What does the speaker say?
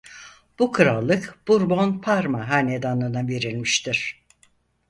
Bu krallık Burbon-Parma hanedanına verilmiştir.